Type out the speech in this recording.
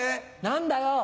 何だよ。